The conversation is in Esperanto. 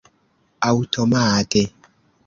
aŭtomate